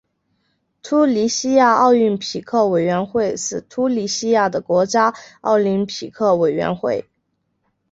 突尼西亚奥林匹克委员会是突尼西亚的国家奥林匹克委员会。